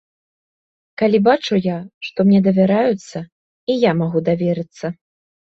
Калі бачу я, што мне давяраюцца, і я магу даверыцца.